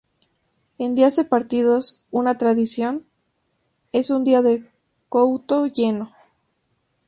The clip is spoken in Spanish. En días de partidos, una tradición: es día de Couto lleno.